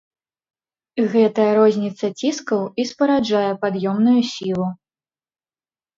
Гэтая розніца ціскаў і спараджае пад'ёмную сілу.